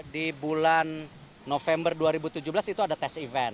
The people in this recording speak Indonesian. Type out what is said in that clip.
di bulan november dua ribu tujuh belas itu ada tes event